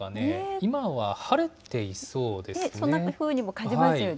今は晴れていそうですね。